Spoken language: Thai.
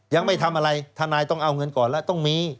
ยังไม่ทำอะไรทนายต้องเอาเงินก่อนแล้วต้องมี